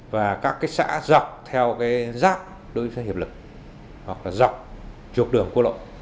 và các xã dọc theo giáp đối với hiệp lực dọc chuộc đường cua lộn